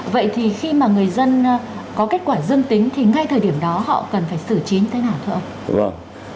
vậy thì khi mà người dân có kết quả dương tính thì ngay thời điểm đó họ cần phải xử chín thế nào thưa ông